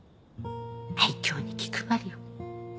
愛嬌に気配りよ。